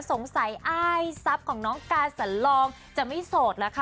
สงสัยอ้ายซับของน้องกาสลองจะไม่โสดแล้วค่ะ